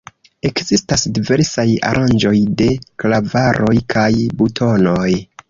Ekzistas diversaj aranĝoj de klavaroj kaj butonoj.